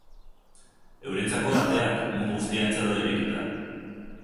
Eurentzako ateak mundu guztiarentzat daude irekita.